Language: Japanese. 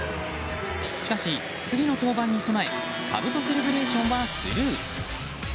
しかし、次の登板に備えかぶとセレブレーションはスルー。